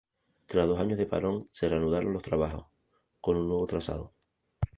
Tras dos años de parón, se reanudaron los trabajos, con un nuevo trazado.